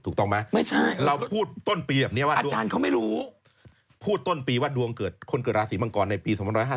ถูกต้องไหมเราพูดต้นปีแบบนี้